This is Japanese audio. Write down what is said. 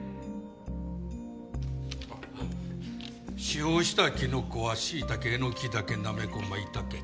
使用したキノコはしいたけえのき茸なめこまいたけ